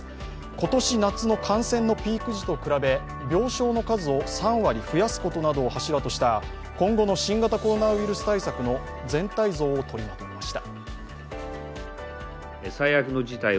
今年夏の感染のピーク時と比べ病床の数を３割増やすことなどを柱とした今後の新型コロナウイルス対策の全体像を取りまとめました。